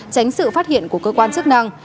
tránh sự phát hiện của cơ quan chức năng